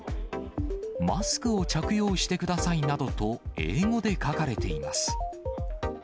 マスクを着用してくださいなどと、英語で書かれています。